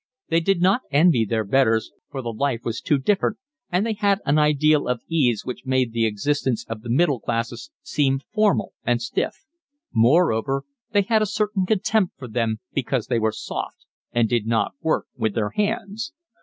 They did not envy their betters, for the life was too different, and they had an ideal of ease which made the existence of the middle classes seem formal and stiff; moreover, they had a certain contempt for them because they were soft and did not work with their hands.